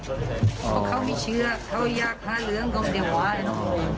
เพราะเขาไม่เชื่อเขาอยากฆ่าเหลืองกลมเด็กหวาเลยเนาะ